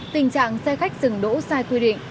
tình trạng xe khách dừng đỗ sai quy định